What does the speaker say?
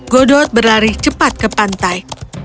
godot berlari cepat ke pantai